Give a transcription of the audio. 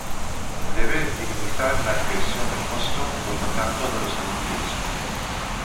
Debe minimizar la inversión del costo por contacto de los anuncios.